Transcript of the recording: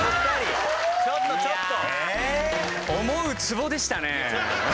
ちょっとちょっと！